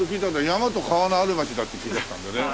山と川のある場所だって聞いてきたんでね。